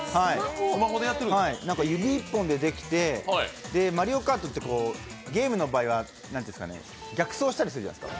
指一本でできて、「マリオカート」ってゲームの場合は逆走したりするじゃないですか。